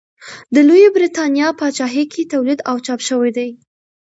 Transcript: د لویې برېتانیا پاچاهۍ کې تولید او چاپ شوي دي.